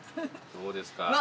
どうですか？